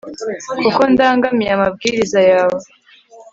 kuko ndangamiye amabwiriza yawe